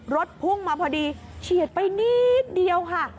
รถพุ่งมาพอดีเฉียดไปนิดเดียวค่ะ